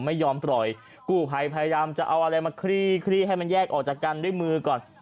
ไม่ยอมปล่อยกู้ภัยพยายามจะเอาอะไรมาคลี่คลี่ให้มันแยกออกจากกันด้วยมือก่อน